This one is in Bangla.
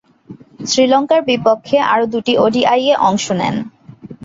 শ্রীলঙ্কার বিপক্ষে আরও দুইটি ওডিআইয়ে অংশ নেন।